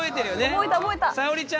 覚えた覚えた。